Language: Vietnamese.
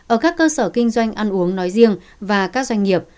ở các cơ sở kinh doanh ăn uống nói riêng và các doanh nghiệp